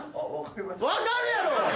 分かるやろ！